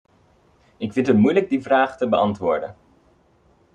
Ik vind het moeilijk die vraag te beantwoorden.